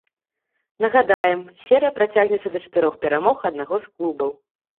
Нагадаем, серыя працягнецца да чатырох перамог аднаго з клубаў.